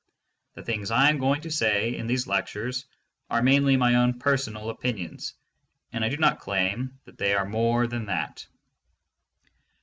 The things I am going to say in these lectures are mainly my own personal opinions and I do not claim that they are more than that.